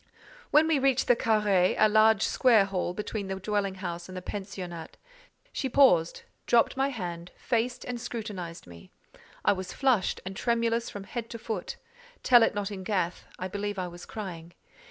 When we reached the carré, a large square hall between the dwelling house and the pensionnat, she paused, dropped my hand, faced, and scrutinized me. I was flushed, and tremulous from head to foot: tell it not in Gath, I believe I was crying.